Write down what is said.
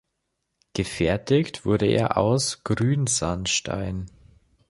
Gefertigt wurde er aus Grünsandstein.